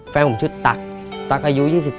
แฟนผมชื่อตั๊กตั๊กอายุ๒๓